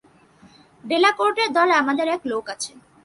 ডেলাকোর্টের দলে আমাদের এক লোক আছে।